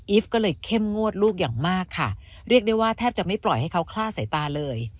ฟก็เลยเข้มงวดลูกอย่างมากค่ะเรียกได้ว่าแทบจะไม่ปล่อยให้เขาคลาดสายตาเลย